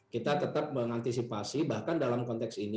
kita tetap mengantisipasi bahkan dalam konteks ini